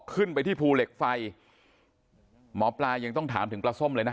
ขึ้นไปที่ภูเหล็กไฟหมอปลายังต้องถามถึงปลาส้มเลยนะ